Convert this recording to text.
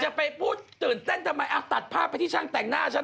จะไปพูดตื่นเต้นทำไมตัดภาพไปที่ช่างแต่งหน้าฉัน